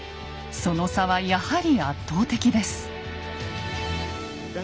その差はやはり圧倒的です。